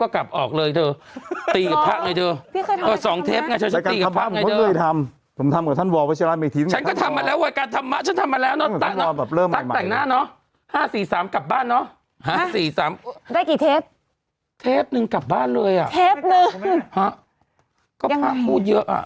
กลับเลยังจริงนะดู